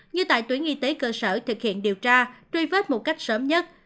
như tại tuyến y tế cơ sở thực hiện điều tra truy vết một cách sớm nhất